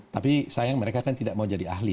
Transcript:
tapi sayang mereka kan tidak mau jadi ahli